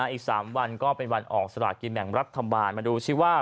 อีกสามวันก็เป็นวันออกศตราฐกิจแห่งอัฐธรรมบาลมาดูชิว่า